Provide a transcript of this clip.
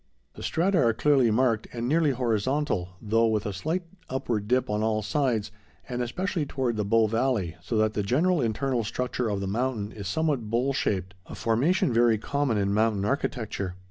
] The strata are clearly marked and nearly horizontal, though with a slight upward dip on all sides, and especially toward the Bow valley, so that the general internal structure of the mountain is somewhat bowl shaped, a formation very common in mountain architecture.